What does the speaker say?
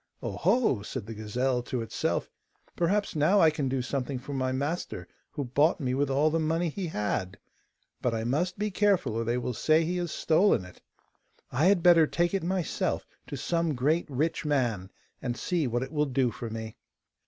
'Oh, ho!' said the gazelle to itself, 'perhaps now I can do something for my master who bought me with all the money he had; but I must be careful or they will say he has stolen it. I had better take it myself to some great rich man, and see what it will do for me.